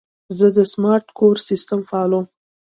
زه د سمارټ کور سیسټم فعالوم.